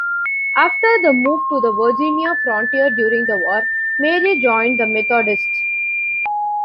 After the move to the Virginia frontier during the war, Mary joined the Methodists.